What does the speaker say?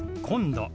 「今度」。